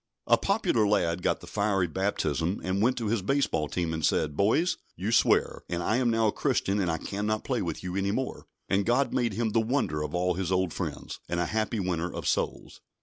A popular lad got the fiery baptism, and went to his baseball team, and said: "Boys, you swear, and I am now a Christian, and I cannot play with you any more"; and God made him the wonder of all his old friends, and a happy winner of souls.